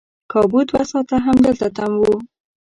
کابو دوه ساعته همدلته تم وو.